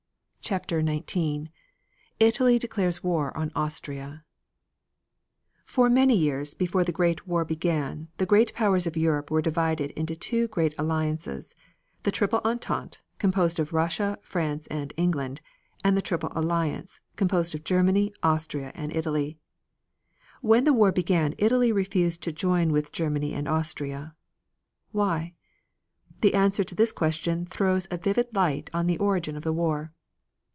CHAPTER XIX ITALY DECLARES WAR ON AUSTRIA For many years before the great war began the great powers of Europe were divided into two great alliances, the Triple Entente, composed of Russia, France and England, and the Triple Alliance, composed of Germany, Austria and Italy. When the war began Italy refused to join with Germany and Austria. Why? The answer to this question throws a vivid light on the origin of the war.